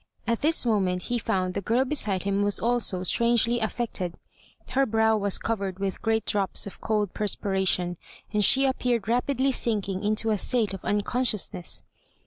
At this moment he found the girl beside him was also strangely affected. Her brow was covered with great drops of cold perspiration, and she appeared rapidly sinking into a state of unconsciousness.